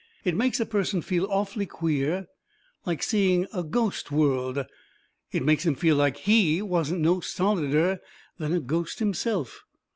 It makes a person feel awful queer, like seeing a ghost would. It makes him feel like HE wasn't no solider than a ghost himself.